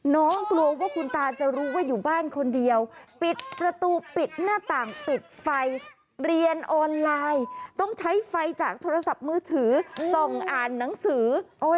กลัวว่าคุณตาจะรู้ว่าอยู่บ้านคนเดียวปิดประตูปิดหน้าต่างปิดไฟเรียนออนไลน์ต้องใช้ไฟจากโทรศัพท์มือถือส่องอ่านหนังสือ